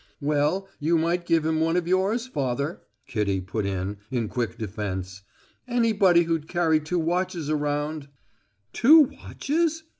"Well, you might give him one of yours, father," Kitty put in, in quick defense. "Anybody who'd carry two watches around " "Two watches?"